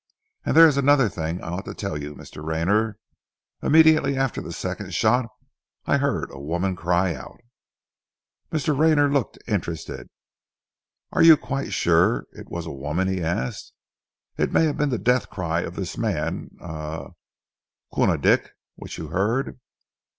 And there is another thing I ought to tell you, Mr. Raynor. Immediately after the second shot I heard a woman cry out." Mr. Rayner looked interested. "Are you quite sure it was a woman?" he asked. "It may have been the death cry of this man er Koona Dick, which you heard."